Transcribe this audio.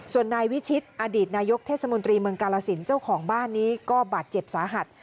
ส่วนนายวิชิตอดีตนายกเทศมนตรีเมืองกาลสินเจ้าของบ้านนี้ก็บาดเจ็บสาหัส